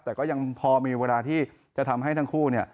แต่ก็ยังพอมีเวลาที่จะทำให้ทั้งคู่เนี่ย